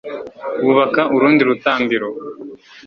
bubaka urundi rutambiro